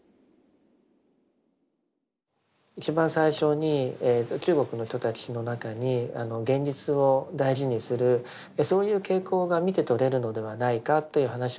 一番最初に中国の人たちの中に現実を大事にするそういう傾向が見てとれるのではないかという話をいたしましたけれども。